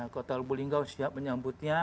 kota lubu linggau siap menyambutnya